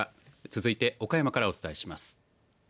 続いて岡山からお伝えします。